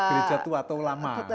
gereja tua atau lama